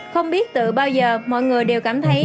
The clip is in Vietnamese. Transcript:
không biết từ bao giờ mọi người đều cảm thấy